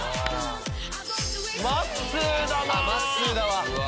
まっすーだなぁ。